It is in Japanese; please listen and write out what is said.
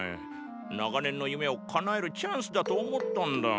長年の夢を叶えるチャンスだと思ったンだ。